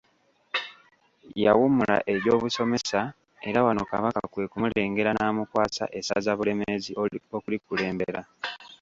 Yawummula egyobusomesa era wano Kabaka kwe kumulengera n’amukwasa essaza Bulemeezi okulikulembera.